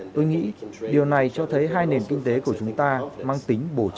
tôi nghĩ điều này cho thấy hai nền kinh tế của chúng ta mang tính bổ trí